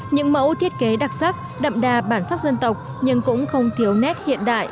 những mẫu thiết kế đặc sắc đậm đà bản sắc dân tộc nhưng cũng không thiếu nét hiện đại